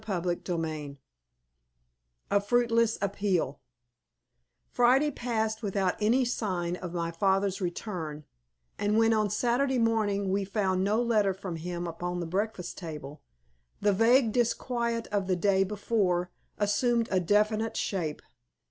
CHAPTER VII A FRUITLESS APPEAL Friday passed without any sign of my father's return, and when on Saturday morning we found no letter from him upon the breakfast table, the vague disquiet of the day before assumed a definite shape.